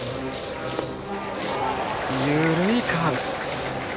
緩いカーブ。